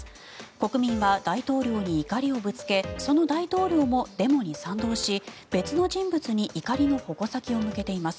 国民は大統領に怒りをぶつけその大統領もデモに賛同し、別の人物に怒りの矛先を向けています。